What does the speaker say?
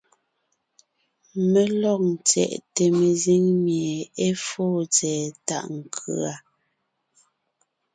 Mé lɔg ńtyɛʼte mezíŋ mie é fóo tsɛ̀ɛ tàʼ nkʉ̀a.